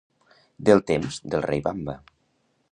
Del temps del rei Wamba.